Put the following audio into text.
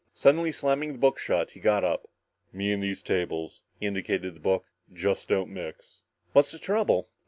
Suddenly slamming the book shut, he got up. "Me and these tables" he indicated the book "just don't mix!" "What's the trouble?"